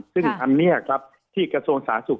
ซึ่งอันนี้ครับที่กระทรวงสาธารณสุข